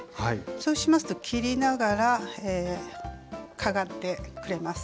そうしますと切りながらかがってくれます。